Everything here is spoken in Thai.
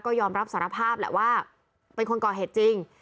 ก็ยอมรับสารภาพแหละว่าเป็นคนก่อเหตุจริง